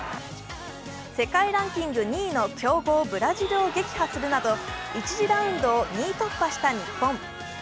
世界ランキング２位の強豪・ブラジルを撃破するなど１次ラウンドを２位突破した日本。